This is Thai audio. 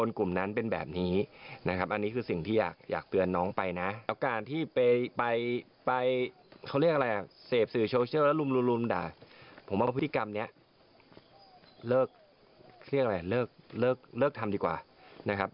เรียกอะไรเลิกทำดีกว่า